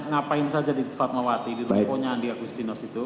ngapain saja di fatmawati di rukonya andi agustinus itu